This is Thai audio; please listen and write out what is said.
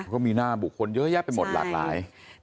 ก็มีหน้าบุคคลเยอะแยะไปหมดหลากหลาย